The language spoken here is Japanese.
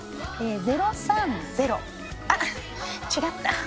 ０３０あっ違った。